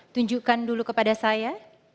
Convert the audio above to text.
tunjukkan dulu kepada saya